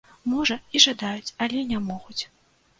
Можа і жадаюць, але не могуць!